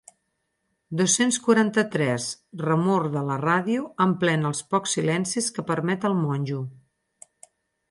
Dos-cents quaranta-tres remor de la ràdio emplena els pocs silencis que permet el monjo.